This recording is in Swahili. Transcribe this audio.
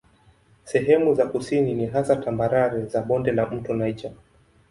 Sehemu za kusini ni hasa tambarare za bonde la mto Niger.